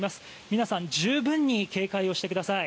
皆さん十分に警戒をしてください。